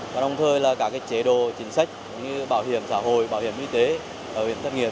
và đồng thời là các chế độ chính sách như bảo hiểm xã hội bảo hiểm y tế bảo hiểm thất nghiệp